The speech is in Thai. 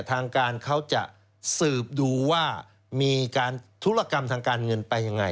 ทางการเขาจะสืบดูว่ามีการธุรกรรมทางการเงินไปยังไง